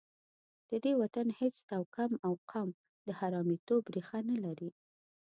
د دې وطن هېڅ توکم او قوم د حرامیتوب ریښه نه لري.